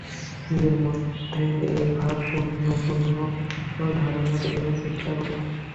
নিজের মধ্যে এই ভাব পুনঃপুন ধারণা করিবার চেষ্টা কর।